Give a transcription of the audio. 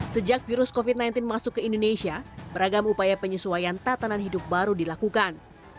sejak virus covid sembilan belas masuk ke indonesia beragam upaya penyesuaian tatanan hidup baru dilakukan